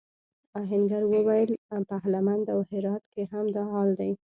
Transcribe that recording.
آهنګر وویل پهلمند او هرات کې هم دا حال دی.